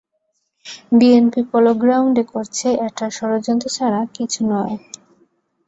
BNP পলোগ্রাউন্ডে করছে এটা ষড়যন্ত্র ছাড়া কিছু নয়।